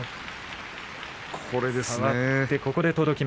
これですね